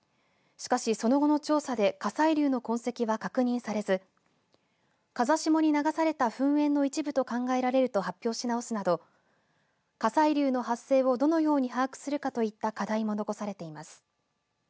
しかし、その後の調査で火砕流の痕跡は確認されず風下に流された噴煙の一部と考えられると発表し直すなど、火砕流の発生をどのように把握するかといった課題も残されています。